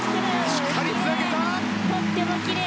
しっかりつなげた。